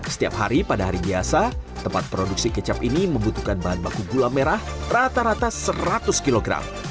setiap hari pada hari biasa tempat produksi kecap ini membutuhkan bahan baku gula merah rata rata seratus kg